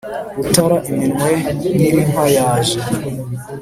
rutara iminwe nyir’inka yaje,